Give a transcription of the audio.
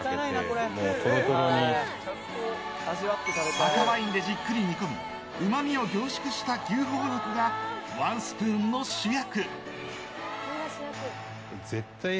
赤ワインでじっくり煮込みうまみを凝縮した牛ほほ肉がワンスプーンの主役。